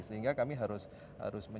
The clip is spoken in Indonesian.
sehingga kami harus menyusulkan